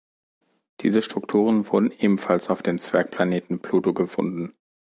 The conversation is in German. Diese Strukturen wurden ebenfalls auf dem Zwergplaneten Pluto gefunden.